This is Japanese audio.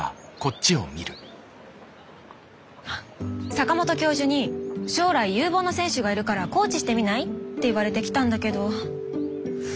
坂本教授に「将来有望な選手がいるからコーチしてみない？」って言われて来たんだけど。